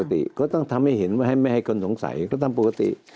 ติก็ต้องทำให้เห็นว่าไม่ให้คนสงสัยก็ทำปกติ